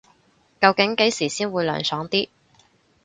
究竟幾時先會涼爽啲